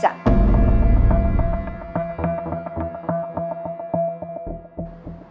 mbak depois bu mungkin datang